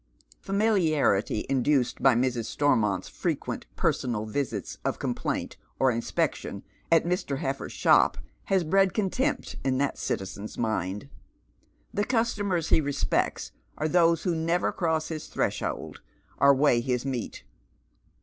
Famiharity, induced by Mrs. Stormont's frequent personal visits of complaint or inspection at Mr. Heffer's shop, has bred contempt in that citizen's mind. The customers he respects are those who never cross his threshold or weigh his meat.